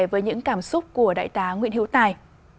với những cảm xúc của đại tá nguyễn hiếu tài